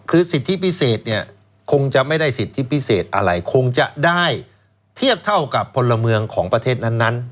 คือสิทธิพิเศษเนี่ยคงจะไม่ได้สิทธิพิเศษอะไรคงจะได้เทียบเท่ากับพลเมืองของประเทศนั้น